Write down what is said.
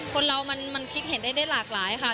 คนเรามันคิดเห็นได้หลากหลายค่ะ